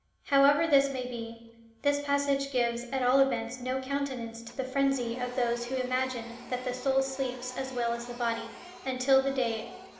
However this may be, this passage gives at all events no countenance to the frenzy of those who imagine that the soul sleeps as well as the body, until the day of the resurrection.